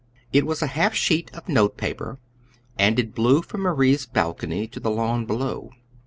It was a half sheet of note paper, and it blew from Marie's balcony to the lawn below.